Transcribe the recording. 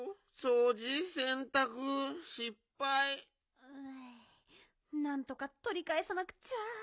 うんなんとかとりかえさなくっちゃ。